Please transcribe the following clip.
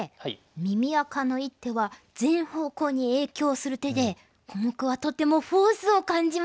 耳赤の一手は全方向に影響する手でコモクはとてもフォースを感じました。